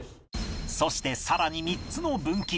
そしてさらに３つの分岐